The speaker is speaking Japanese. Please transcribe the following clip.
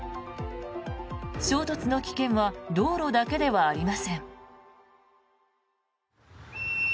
衝突の危険は道路だけではありません。